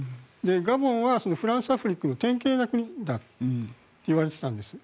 ガボンはそのフランサフリックの典型的な国だと言われていたんです。